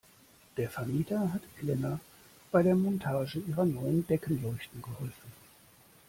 Der Vermieter hat Elena bei der Montage ihrer neuen Deckenleuchte geholfen.